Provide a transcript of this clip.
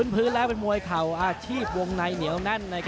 พื้นแล้วเป็นมวยเข่าอาชีพวงในเหนียวแน่น